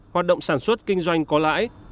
hoạt động sản xuất kinh doanh có lãi